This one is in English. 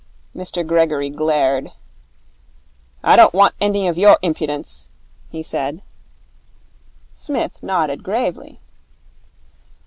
Mr Gregory glared. 'I don't want any of your impudence,' he said. Psmith nodded gravely.